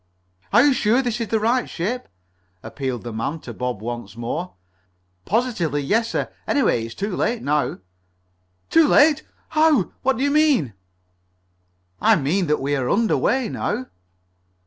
"Are you sure this is the right ship?" appealed the man to Bob once more. "Positively yes, sir. Anyhow, it's too late now." "Too late? How? What do you mean?" "I mean that we're under way now."